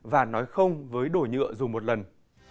và nói không với đồ nhựa dùng một lần